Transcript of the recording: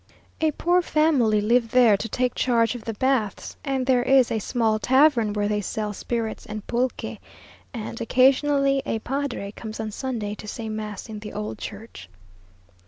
A poor family live there to take charge of the baths, and there is a small tavern where they sell spirits and pulque; and occasionally a padre comes on Sunday to say mass in the old church.